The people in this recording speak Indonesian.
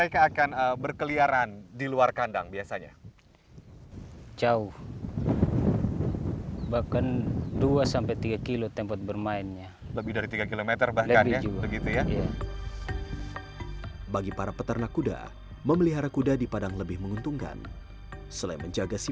karena kuda sumba itu multifungsi